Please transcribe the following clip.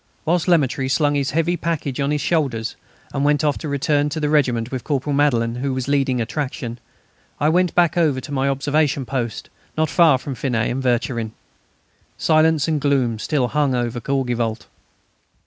Whilst Lemaître slung his heavy package on his shoulders and went off to return to the regiment with Corporal Madelaine, who was leading "Attraction," I went back to my observation post, not far from Finet and Vercherin. Silence and gloom still hung over Courgivault.